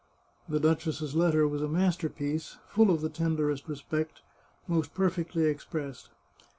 The duchess's letter was a master piece, full of the tenderest respect, most perfectly expressed.